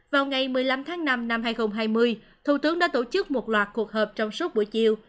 vào ngày một mươi năm tháng năm năm hai nghìn hai mươi thủ tướng đã tổ chức một loạt cuộc họp trong suốt buổi chiều